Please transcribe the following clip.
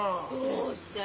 どうして？